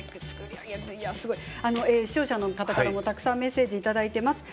視聴者の方からもたくさんメッセージをいただいています。